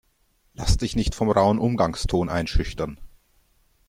Lass dich nicht vom rauen Umgangston einschüchtern!